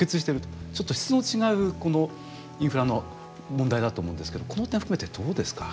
ちょっと質の違うインフラの問題だと思うんですけどこの点含めてどうですか？